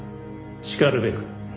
しかるべく。